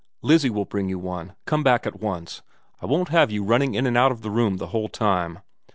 Lizzie will bring you one. Come back at once. I won't have you running in and out of the room the whole time.